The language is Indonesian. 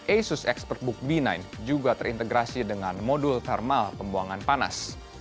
asus expertbook b sembilan juga terintegrasi dengan modul thermal pembuangan panas